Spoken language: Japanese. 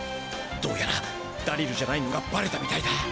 どうやらダリルじゃないのがばれたみたいだ。